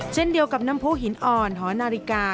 เช่นเดียวกับน้ำผู้หินอ่อนหอนาฬิกา